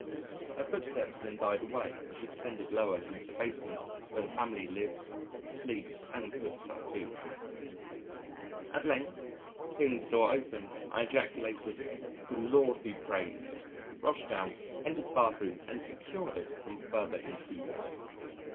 Her footsteps then died away as she descended lower into the basement, where the family lives, sleeps, and cooks our food. At length, hearing the door open, I ejaculated, "the Lord be praised," rushed down, entered the bath room and secured it from further intruders.